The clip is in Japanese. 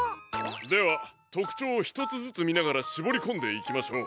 ではとくちょうをひとつずつみながらしぼりこんでいきましょう。